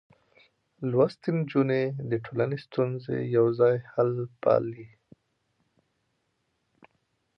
لوستې نجونې د ټولنې ستونزې يوځای حل پالي.